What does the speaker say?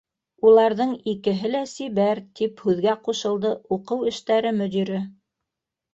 Уларҙың икеһе лә сибәр, - тип һүҙгә ҡушылды уҡыу эштәре мөдире.